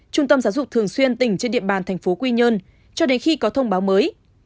trung tâm giáo dục thường xuyên tỉnh trên địa bàn thành phố quy nhơn cho đến khi có thông báo mới